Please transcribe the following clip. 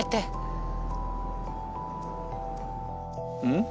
うん？